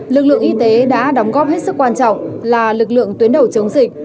lực lượng y tế đã đóng góp hết sức quan trọng là lực lượng tuyến đầu chống dịch